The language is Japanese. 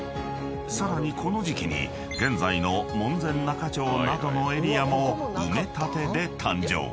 ［さらにこの時期に現在の門前仲町などのエリアも埋め立てで誕生］